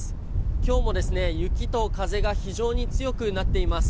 今日も雪と風が非常に強くなっています。